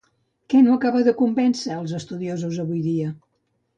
Què no acaba de convèncer els estudiosos avui dia?